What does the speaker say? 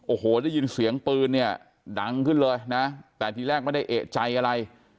โอ้โหได้ยินเสียงปืนเนี่ยดังขึ้นเลยนะแต่ทีแรกไม่ได้เอกใจอะไร